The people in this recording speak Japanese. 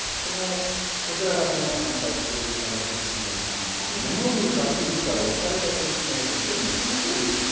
こちらがその反対している社外取締役なんですけれども、モノ言う株主から推された取締役は、すでに複数いると。